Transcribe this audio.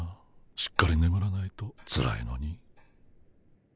しっかりねむらないとつらいのに。